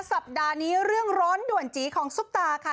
สัปดาห์นี้เรื่องร้อนด่วนจีของซุปตาค่ะ